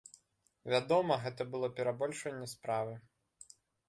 Вядома, гэта было перабольшванне справы.